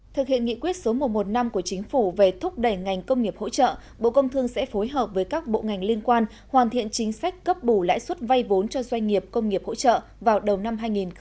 thực hiện nghị quyết số một trăm một mươi năm của chính phủ về thúc đẩy ngành công nghiệp hỗ trợ bộ công thương sẽ phối hợp với các bộ ngành liên quan hoàn thiện chính sách cấp bù lãi suất vay vốn cho doanh nghiệp công nghiệp hỗ trợ vào đầu năm hai nghìn hai mươi